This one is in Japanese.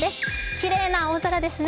きれいな青空ですね。